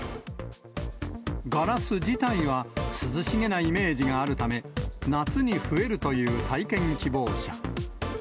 ガラス自体は涼しげなイメージがあるため、夏に増えるという体験希望者。